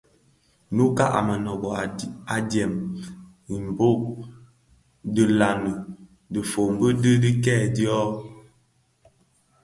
Nnouka a Mënōbō yè adyèm i mbōg wui inne dhi nlaňi dhifombi di kidèè dyo londinga.